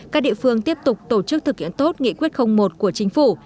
các địa phương tiếp tục tổ chức thực hiện tốt nghị quyết một của chính phủ